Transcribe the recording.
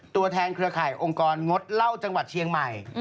ตัวแทนเครือข่ายองค์กรงดเหล้าจังหวัดเชียงใหม่